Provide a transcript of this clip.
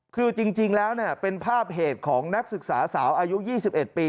คือจริงแล้วเป็นภาพเหตุของนักศึกษาสาวอายุ๒๑ปี